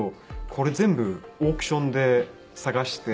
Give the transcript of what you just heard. これ全部オークションで探して。